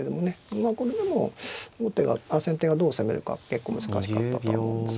まあこれでも先手がどう攻めるか結構難しかったとは思うんですが。